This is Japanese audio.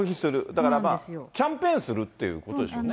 だからキャンペーンするっていうことでしょうね。